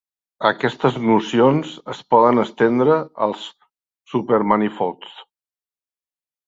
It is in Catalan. Aquestes nocions es poden estendre als supermanifolds.